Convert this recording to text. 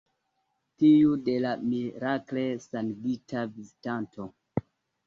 Tiu de la mirakle sanigita vizitanto.